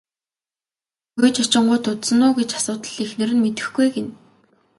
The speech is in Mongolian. Гүйж очингуут удсан уу гэж асуутал эхнэр нь мэдэхгүй ээ гэнэ.